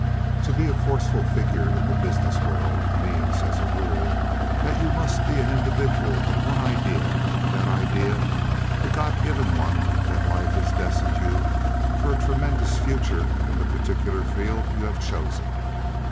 To be a forceful figure in the business world means, as a rule, that you must be an individual of one idea, and that idea the God given one that life has destined you for a tremendous future in the particular field you have chosen.